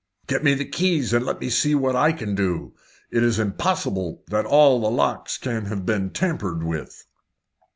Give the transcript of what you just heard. "Get me the keys and let me see what I can do. It is impossible that all the locks can have been tampered with."